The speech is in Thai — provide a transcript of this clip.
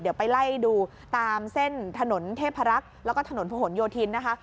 เดี๋ยวไปไล่ดูตามเส้นถนนเทพรักษ์แล้วก็ถนนผนโยธินนะคะ